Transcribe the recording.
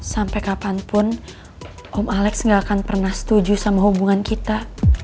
sampai kapanpun om alex gak akan pernah setuju sama hubungan kita